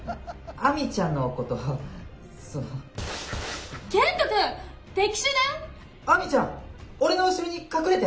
アミちゃん俺の後ろに隠れて。